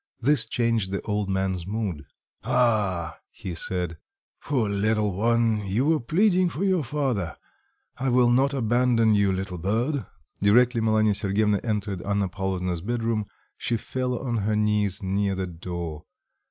This changed the old man's mood. "Ah," he said, "poor little one, you were pleading for your father; I will not abandon you, little bird." Directly Malanya Sergyevna entered Anna Pavlovna's bedroom, she fell on her knees near the door.